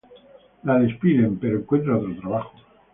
La despiden, pero encuentra otro trabajo.